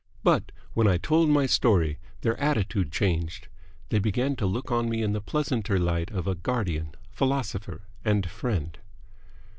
But when I told my story their attitude changed. They began to look on me in the pleasanter light of a guardian, philosopher, and friend.